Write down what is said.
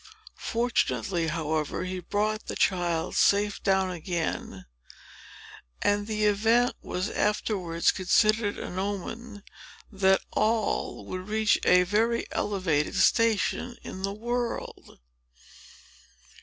Fortunately, however, he brought the child safe down again; and the event was afterwards considered an omen that Noll would reach a very elevated station in the world.